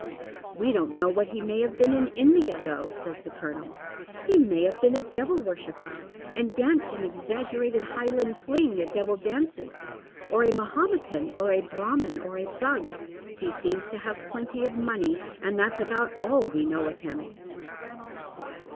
" We don't know what he may have been in India, though," Bays the colonel. " He may have been a devil worshipper, and danced an exaggerated highland fling at devil dances ; or a Mahometan, or a Brahmin, or a Thug. He seems to have plenty of money, and that's about all we know of him."